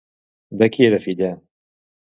De qui era filla?